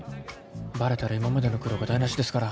バレたら今までの苦労が台なしですから。